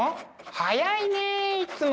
早いねいつも。